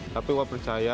tapi wah percaya